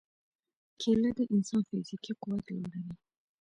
کېله د انسان فزیکي قوت لوړوي.